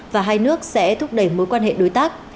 và hai nước sẽ thúc đẩy mối quan hệ đối tác